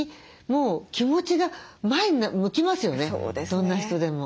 どんな人でも。